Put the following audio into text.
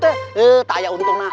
eh tak ada untungnya